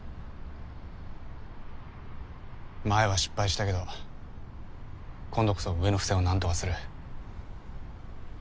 前は失敗したけど今度こそ上の不正を何とかする。